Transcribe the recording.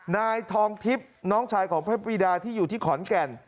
นายทองทิพย์น้องชายของพระวีดาที่อยู่ที่ขอนแก่น